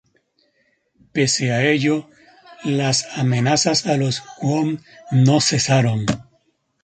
Pese a ello las amenazas a los qom no cesaron.